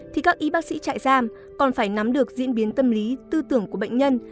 thì các y bác sĩ trại giam còn phải nắm được diễn biến tâm lý tư tưởng của bệnh nhân